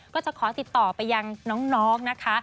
ก็จะขอติดต่อไปยังน้องนะคะ